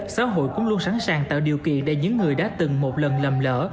xã hội cũng luôn sẵn sàng tạo điều kiện để những người đã từng một lần lầm lỡ